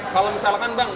kalau misalkan bang